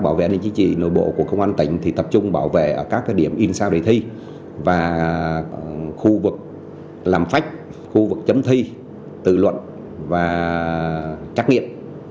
bảo vệ an ninh chính trị nội bộ của công an tỉnh thì tập trung bảo vệ ở các điểm in sao đề thi và khu vực làm phách khu vực chấm thi tự luận và trắc nghiệm